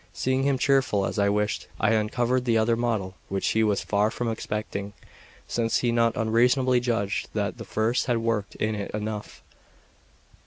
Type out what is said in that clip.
Seeing him cheerful as I wished, I uncovered the other model, which he was far from expecting, since he not unreasonably judged that the first had work in it enough.